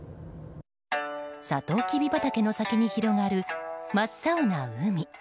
サトウキビ畑の先に広がる真っ青な海。